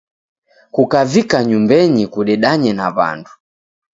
Kukavika nyumbenyi kudedanye na w'andu.